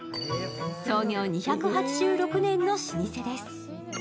創業２８６年の老舗です。